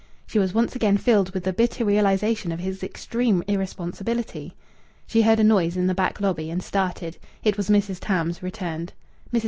She was once again filled with the bitter realization of his extreme irresponsibility. She heard a noise in the back lobby, and started. It was Mrs. Tams, returned. Mrs.